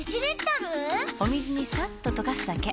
お水にさっと溶かすだけ。